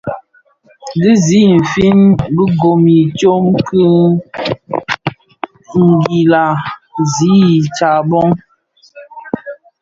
Dhi zi I nfin bi gōn itsok ki nguila zi I tsaboň.